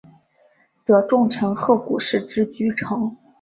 的重臣鹤谷氏之居城。